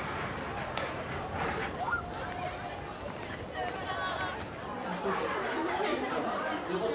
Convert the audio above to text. さようなら。